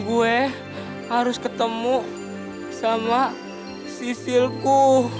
gue harus ketemu sama sisilku